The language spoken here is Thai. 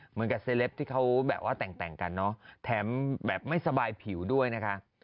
เหมือนกับเซลปที่เขาแบบว่าแต่งกันเนอะแถมแบบไม่สบายผิวด้วยนะคะ